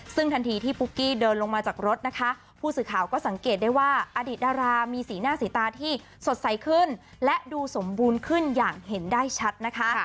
ซึ่งทันทีที่ปุ๊กกี้เดินลงมาจากรถนะคะผู้สื่อข่าวก็สังเกตได้ว่าอดีตดารามีสีหน้าสีตาที่สดใสขึ้นและดูสมบูรณ์ขึ้นอย่างเห็นได้ชัดนะคะ